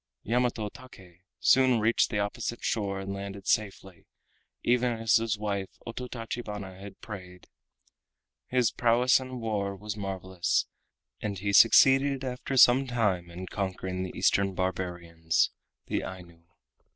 Yamato Take soon reached the opposite shore and landed safely, even as his wife Ototachibana had prayed. His prowess in war was marvelous, and he succeeded after some time in conquering the Eastern Barbarians, the Ainu.